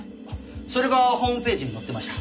それがホームページに載ってました。